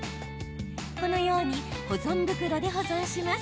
このように保存袋で保存します。